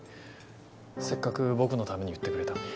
せっかく僕のために言ってくれたのに。